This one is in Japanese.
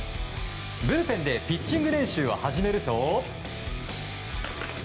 ブルペンでピッチング練習を始めると。